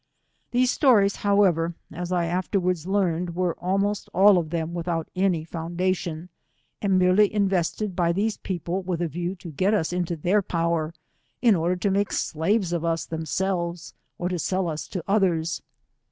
These stories, however, as I afterwards learned, were almost all of them without any foundation, and merely invented by these people with a view to get us into their power, in order to make slaves of us themselves, or to sell us to others.